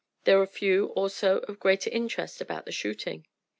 There were a few also of greater interest about the shooting.